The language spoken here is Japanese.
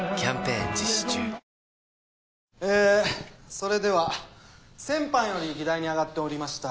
それでは先般より議題に上がっておりました